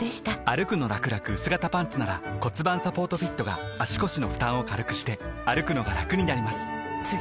「歩くのらくらくうす型パンツ」なら盤サポートフィットが足腰の負担を軽くしてくのがラクになります覆个△